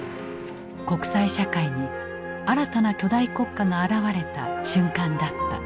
国際社会に新たな巨大国家が現れた瞬間だった。